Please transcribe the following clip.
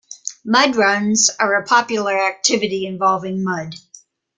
Mud Runs are a popular activity involving mud.